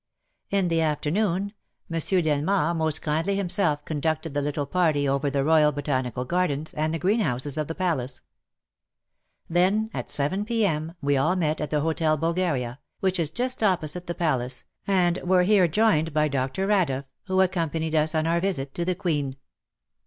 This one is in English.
In the afternoon Mons. Delmard most kindly himself conducted the little party over the Royal Botanical Gardens and the Greenhouses of the Palace. Then at 7 p.m. we all met at the Hotel Bulgaria, which is just opposite the Palace, and were here joined by Dr. Radeff, who accompanied us on our visit to the Queen.